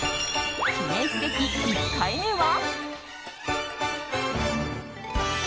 記念すべき１回目は。